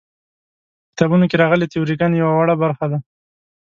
په کتابونو کې راغلې تیوري ګانې یوه وړه برخه ده.